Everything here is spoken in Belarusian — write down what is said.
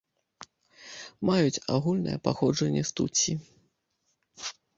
Маюць агульнае паходжанне з тутсі.